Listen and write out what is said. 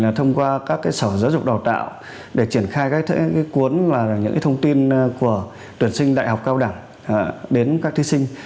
thông qua các sở giáo dục đào tạo để triển khai các cuốn và những thông tin của tuyển sinh đại học cao đẳng đến các thí sinh